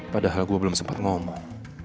padahal gue belum sempat ngomong